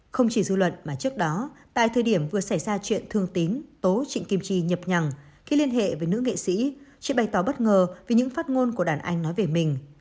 không chỉ dư luận mà trước đó tại thời điểm vừa xảy ra chuyện thương tín tố trịnh kim chi nhập nhằng khi liên hệ với nữ nghệ sĩ chị bày tỏ bất ngờ vì những phát ngôn của đàn anh nói về mình